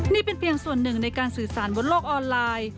นี่เป็นเพียงส่วนหนึ่งในการสื่อสารบนโลกออนไลน์